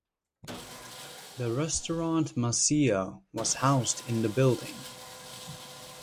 The restaurant Masia was housed in the building.